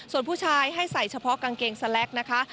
ส่วนผู้ชายให้ใส่เฉพาะกางเกงสแลกนะคะ